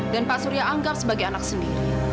dan pak surya anggap sebagai anak sendiri